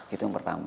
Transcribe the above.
itu yang pertama